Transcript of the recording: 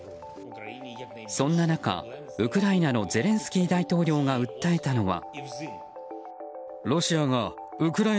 そんな中、ウクライナのゼレンスキー大統領が訴えたのは。